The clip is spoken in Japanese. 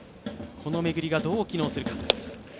この巡りがどう機能するか。